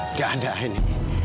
nggak ada aini